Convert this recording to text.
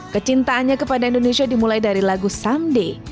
kecintaannya kepada indonesia dimulai dari lagu sunday